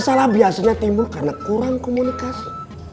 masalah biasanya timbul karena kurang komunikasi